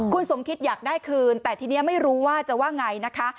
คุณสมคิดอยากได้คืนแต่ทีนี้ไม่รู้ว่าจะว่าไงนะคะ